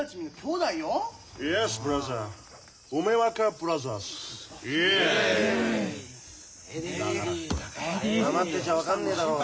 だから黙ってちゃ分かんねえだろうが。